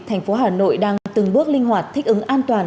thành phố hà nội đang từng bước linh hoạt thích ứng an toàn